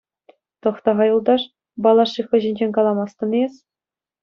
Тӑхта-ха, юлташ, Балашиха ҫинчен каламастӑн-и эс?